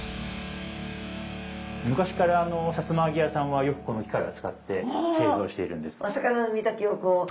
昔からさつま揚げ屋さんはよくこの機械を使って製造しているんです。